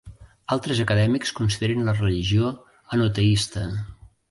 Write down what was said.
Altres acadèmics consideren a la religió henoteista.